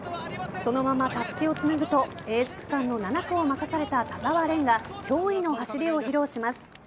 そのまま、たすきをつなぐとエース区間の７区を任された田澤廉が驚異の走りを披露します。